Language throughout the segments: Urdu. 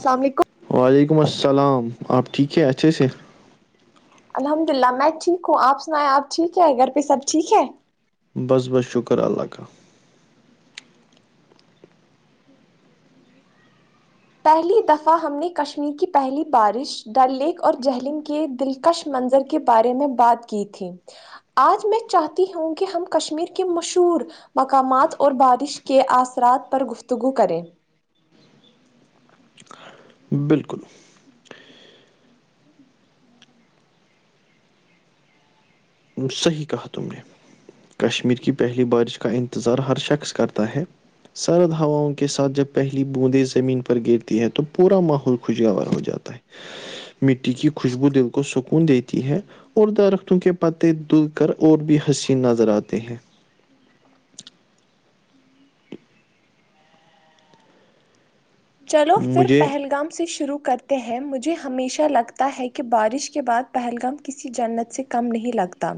السلام علیکم وعلیکم السلام آپ ٹھیک ہے اچھے سے الحمد للہ میں ٹھیک ہوں آپ سنایں آپ ٹھیک ہے گھر پہ سب ٹھیک ہے بس بس شکر اللہ کاال پہلی دفعہ ہم نے کشمیر کی پہلی بارش ڈل لیک اور جہلیلم کے دلکش منظر کے بارے میں بات کی تھی آج میں چاہتی ہوں کہ ہم کشمیر کے مشہور مقامات اور بارش کے اثرات پر گفتگو کریں بالکل صحیح کہا تم نے کشمیر کی پہلی بارش کا انتظار ہر شخص کرتا ہے سرد ہواؤں کے ساتھ جب پہلی بوندیں زمین پر گرتی ہے تو پورا ماحول خوشگاور ہو جاتا مٹی کی خوشبو دل کو سکون دیتی ہے اور درختوں کے پتے دل کر اور بھی ہنسی نظر آتے ہیں چلو پھر مجھے پہلگام سے شروع کر ہیں مجھے ہمیشہ لگتا ہے کہ بارش کے بعد پہلگام کسی جنت سے کم نہیں لگتا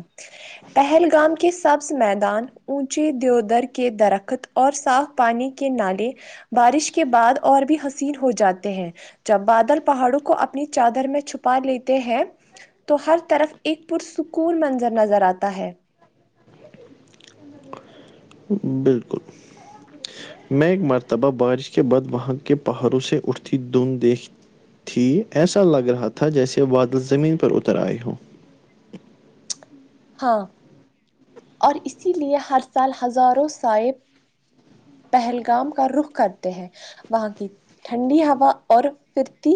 پہلگام کے سبز میدان اونچی دیودر کے درخت اور صاف پانی کے نالے بارش کے بعد اور بھی حسین ہو جاتے ہیں جب بادل پہاڑوں کو اپنی چادر میں چھپا لیتے ہیں تو ہر طرف ایک پرسکون منظر نظر آتا ہے بالکل میں ایک مرتبہ بارش کے بعد وہاں کے پہاڑوں سے اٹھتی دھند دیکھ تھی ایسا لگ رہا تھا جیسے بادل زمین پر اتر آئے ہو ہاں اور اسی لیے ہر سال ہزاروں صاحب پہلگام کا رخ کرتے ہیں وہاں کی ٹھنڈی ہوا اور پھرتی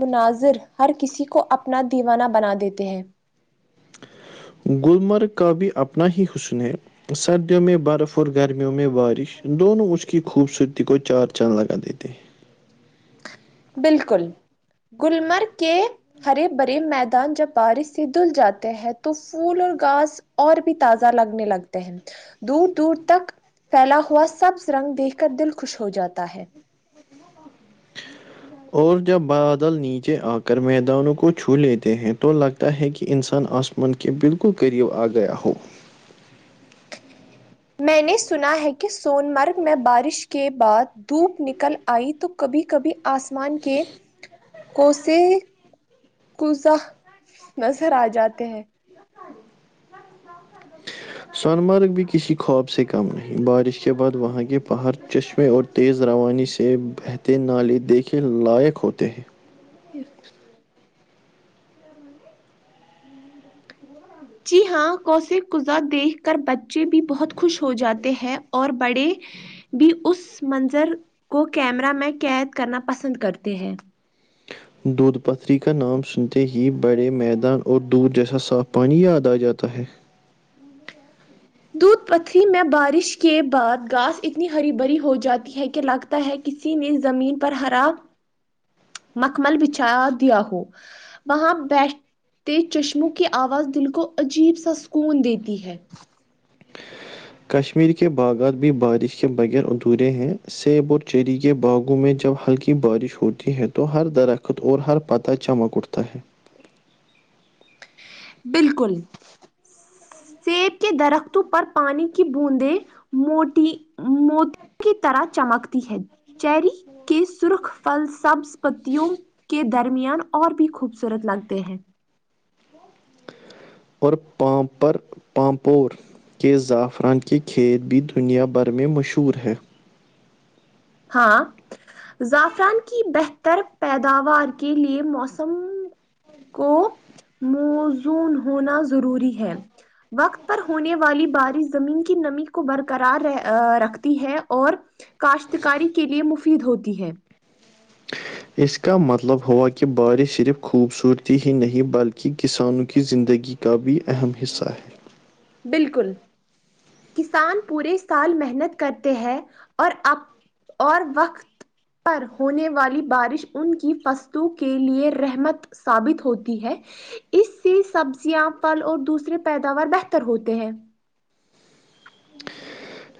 مناظر ہر کسی کو اپنا دیوانہ بنا دیتے ہیں گلمرگ کا بھی اپنا ہی حسن ہے سردیوں میں برف اور گرمیوں میں بارش دونوں اچ کی خوبصورتی کو چار چن لگان دیتے بالکل گللمرگ کے ہرے بھرے میدان جب بارش سے دھل جاتے ہیں تو پھول اور گاس اور بھی تازہ لگنے لگتا ہیں دور دور تک پھیلا ہوا سبز رنگ دیکھ کر دل خوش ہو جاتا ہے اور جب بادل نیچے آ کر میدانوں کو چھو لیتے ہیں تو لگتا ہے کہ انسان آسما انن کےہ بالکل کرریو آگیا ہو میں نے سنا ہے کہ سون مرگ میں بارش کے بعد دھوپ نکل آئی تو کبھی کبھی آسمان کے کوسے قزا نظر آ جاتے ہیں [inaudible] سونمارگ بھی کسی خواب سے کم نہیں بارش کے بعد وہاں کے پہاڑ چشمے اور تیز روانی سے بہتے نالے دیکھے لائق ہوتے ہیں پھر [unintelligible] جی ہاں کوسے قذا دیکھ کر بچے بھی بہت خوش ہو جاتے ہیں اور بڑے بھی اس منظر کو کیمرہ میں قید کرنا پسند کرتے ہیں دودھ پتھری کا نام سنتے ہی بڑے میدان اور دودھ جیسا صاف پانی یاد آ جاتا ہے دودھ پتھری میں بارش کے بعد گاس اتنی ہری بھری ہو جاتی ہے کہ لگ ہے کسی نے زمین پر ہراب مکمل بچھا دیا ہو وہاں بی تیز چشموں کی آواز دل کو عجیب سا سکون دیتی ہے کشمیر کے باغات بھی بارش کے بغیر ادھورے ہیں سیب اور چیری کے باغوں میں جب ہلکی بارش ہوتی ہے تو ہر درخت اور ہر پت چمک اٹھتا ہے بالکل سیب کے درختوں پر پانی کی بوندیں موٹی موتی کی طرح چمکتی ہے چیری کے سرخ فل سبز پتوں کے درمیان اور بھی خوبصورت لگتے ہیں اور پامپر پامپور کے زعفران کے کھیت بھی دنیا بھر میں مشہور ہے ہاں زعفران کی بہتر پیداوار کے لئے موسم کو موزون ہونا ضروری ہے وقت پر ہونے والی بارش زمین کی نمی کو برقرار رہ رکھتی ہے اور کاشتکاری کے لیے مفید ہوتی ہے اس کا مطلب ہوا کہ بارش صرف خوبصورتی ہی نہیں بلکہ کسانوں کی زندگی کا بھی اہم حصہ ہے بالکل کسان پورے سال محنت کرتے ہیں اور اب اور وقت پر ہونے والی بارش ان کی فستو کے لیے رحمت سثابت ہوتی ہے اس سے سبزیاں پھل اور دوسریے پیداوار بہتر ہوتے ہیں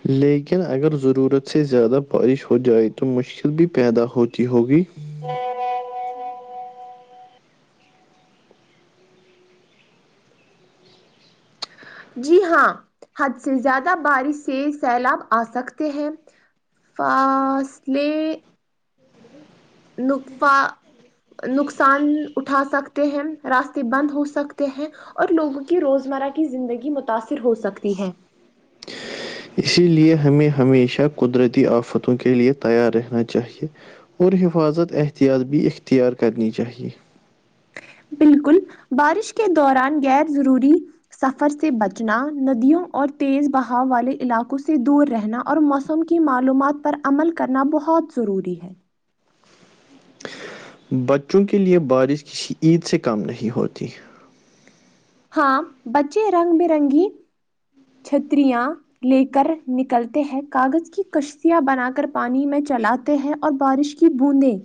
لیکن اگر ضرورت سے زیادہ بارش ہو جائے تو مشکل بھی پیدا ہوتی ہوگی جی ہاں حد سے زیادہ بارش سے سیلاب آ سکتے ہیں فاصل نقفا نقصان اٹھا سکتے ہیں راستے بند ہو سکتے ہیں اور لوگوں کی روزمرہ کی زندگی متاثر ہو سکتی ہے اسی لیے ہمیں ہمیشہ قدرتی آفتوں کے لیے تیار رہنا چاہیے اور حفاظت احتیاط بھی اختیار کرنی چاہیے ل بارش کے دوران غیر ضروری سفر سے بچنا ندیوں اور تیز بہاؤ والے علاقوں سے دور رہنا اور موسم کی معلومات پر عمل کرنا بہت ضروری ہے بچوں کے لیے بارش کسی عید سے کم نہیں ہوتی ہاں بچے رنگ برنگی چھتریاں لے کر نکلتے ہیں کاغذ کی کشتیاں بنا کر پانی میں چلاتے ہیں اور بارش کہ بوندیں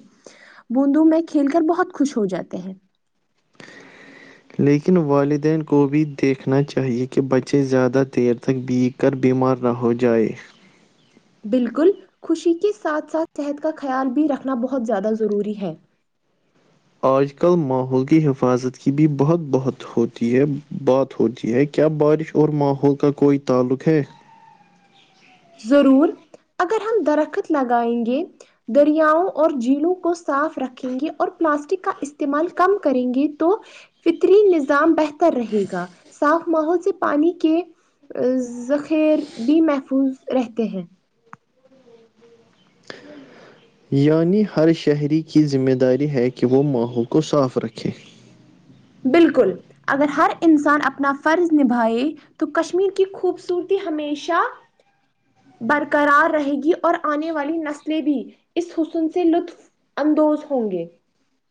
بوندوں میں کھیل کر بہت خوش ہو جاتے ہیں لیکن والدین کو بھی دیکھنا چاہیے کہ بچے زیادہ دیر تک بگ اگر بیمار نہ ہو جائے بالکل خوشی کے ساتھ ساتھ صحت کا خیال بھی رکھنا بہت زیادہ ضروری ہے آج کل ماحول کی حفاظت کی بھی بہت بہت ہوتی ہے بات ہوتیی ہے کیا بارش اور ماحول کا کوئی تعلق ہے ضرور اگر ہم درخت لگائیں گے دریاؤں اور جھیلوں کو صاف رکھیں گی اور پلاسٹک کا استعمال کم کریں گے تو فطرین نظام بہتر رہے گا صاف ماحول سے پانی کے ذخیر بھی محفوظ رہتے ہیں یعنی ہر شہری کی ذمہ داری ہے کہ وہ ماحول کو صاف رکھے بالکل اگر ہر انسان اپنا فرض نبھائے تو کشمیر کی خوبصورتی ہمیشہ برقرار رہے گی اور آنے والی نسلیں بھی اس حسن سے لطف اندوز ہوں گے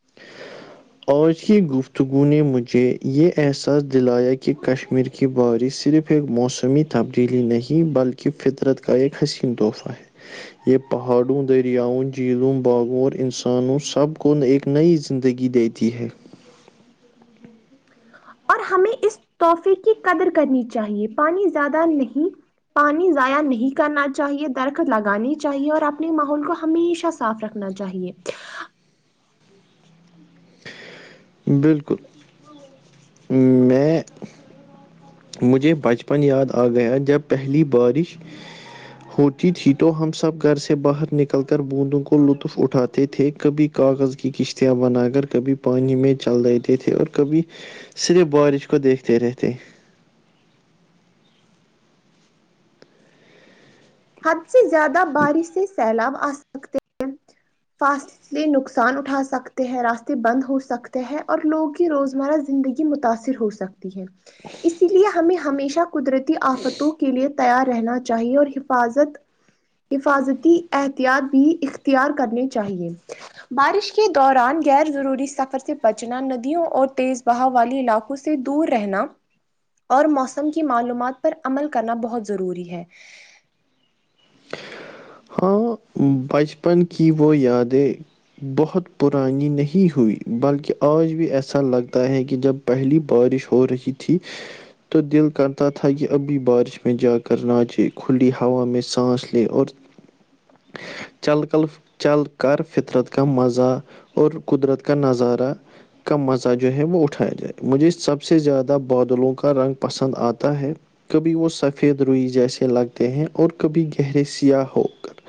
[inaudible] آج کی گفتگو نے مجھے یہ احساس دلایا کہ کشمیر ك بورش صرف ایک موسمی تبدیلی نہیںی بلکہ فطرت کا ایک حسین تحفہ ہے یہ پہاڑوں دریاؤں جھیلوں باغوں اور انسانوں سب کو ایک نئی زندگی دیتی ہے اور ہمیں اس تحفے کی قدر کرنی چاہیے پانی زیادہ نہیں پانی ضائع نہیں کرنا چاہیے درخت لگانی چاہیے اور اپنے ماحول کو ہمیشہ صاف رکھنا چاہیے بالکل میں مجھے بچپن یاد آ گیا جب پہلی بارش [inaudible] ہوتی تھی تو ہم سب گھر سے باہر نکل کر بوندوں کو لطف اٹھاتے تھے کبھی کاغذ کی کشتیاں بنا کر کبھی پانی میں چل رہتے تھے اور کبھی صرف بارش کو دیکھتے رہتے حد سے زیادہ بارش سے سیلاب آ سکتے ہیں فاصل اس لیے نقصان اٹھا سکتے ہیں راستے بند ہو سکتے ہیں اور لوگوں کی روزمرہ زندگی کہ متاثر ہو سک ہے ہے اسی لیے ہمیں ہمیشہ قدرتی آفتوں کے لیے تیار رہنا چاہیے اور حفاظت حفاظتی احتیاط بھی اختیار کرنے چاہیے بارش کے دوران غیر ضروری سفر سے بچنا ندیوں اور تیز وہ والی علاقوں سے دور رہنا اور موسم کی معلومات پر عمل کرنا بہت ضروری ہے ہاں بچپن کی وہ یادیں بہت پرانی نہیں ہوئی بلکہ آج بھی ایسا لگتا ہے کہ جب پہلی بارش ہو رہی تھی تو دل کرتا تھا کہ ابھی بارش میں جا کر نہاچے کھلی ہوا میں سانس لے اور چل کرل چل کر فطرت کا مزہ اور قدرت کا نظارہ کا مزہ جو ہے وہ اٹھایا جائے مجھے سب سے زیادہ بادلوں کا رنگ پسند آتا ہے کبھی وہ سفید روئی جیسے لگتے ہیں اور کبھی گہرے سیاہح ہو کر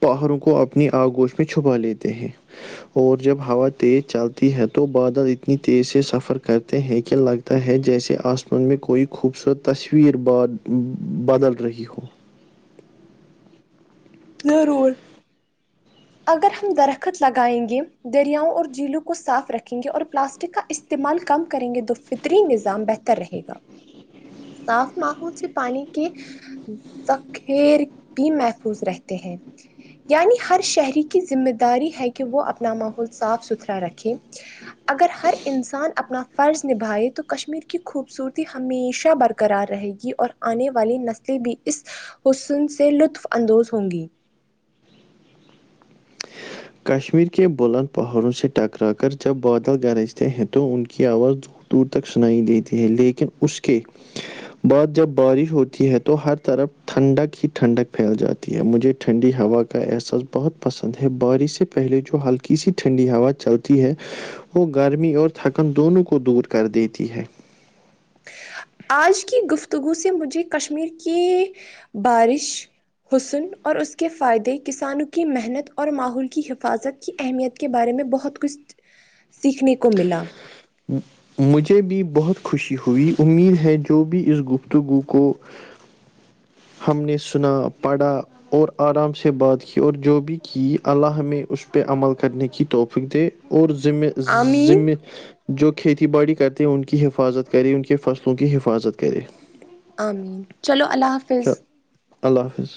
پہاڑوں کو اپنی آگوش میں چھپا لیتے ہیں اور جب ہوا تیز چلتی ہے تو بادل اتنی تیز سے سفر کرتے ہیں کہ لگتا ت ہے جیسے آسمان میں کوئی خوبصورت تصویر ب بدل رہی ہو ضرور اگر ہم درخت لگائیں گے دریاؤں اور جھیلوں کو صاف رکھیں گے اور پلاسٹک کا استعمال کم کریں گے دو فترین نظام بہتر رہے گا صاف ماحول سے پانی کے ذخیر بھی محفوظ رہتے ہیں یعنی ہر شہری کی ذمہ داری ہے کہ وہ اپنا ماحول صاف ستھرا رکھیں اگر ہر انسان اپنا فرض نبھائے تو کشمیر کی خوبصورتی ہمیشہ برکر کررار رہے گی اور آنے والی نسلیں بھی اس حسن سے لطف اندوز ہوں گی کشمیر کے بلند پہاڑوں سے ٹکرا کر جب بادل گرجتے ہیں تو ان کی آواز د دور تک سنائی دیتی ہے لیکن اس کے بعد جب بارش ہوتی ہے تو ہر طرف ٹھنڈک ہی ٹھنڈک پھیل جاتی ہے مجھے ٹھنڈی ہوا کا احساس بہت پسند ہے بارش سے پہلے جو ہلکی سی ٹھنڈی ہوا چلتی ہے وہ گرمی اور تھکن دونوں کو دور کر دیتی ہے آج کی گفتگو سے مجھے کشمیر کی بارش حسن اور اس کے فائدے کسانوں کی محنت اور ماحول کی حفاظت کی اہمیت کے بارے میں بہت کچھ سیکھنے کو ملا ہ مجھے بھی بہت خوشی ہوئی امید ہے جو بھی ان گفتگو کو ہم نے سنا پڑھا اور ارام سے بات کی اور جو بھی اللہ ہمیں اس پہ عمل کرنے کی توفیق دے اور زم آمین زمے جو کھیتی باڑی کرتے ہیں ان کی حفاظت کرے ان کے فصلوں کی حفاظت کرے عامد چلو اللہ حافظ چل اللہ حافظ